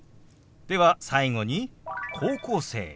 では最後に「高校生」。